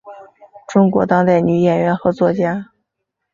中国当代女演员和作家。